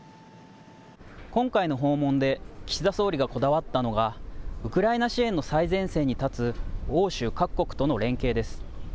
今回の訪問で岸田総理がこだわったのが、ウクライナ支援の最前線に立つ、欧州各国との連携です。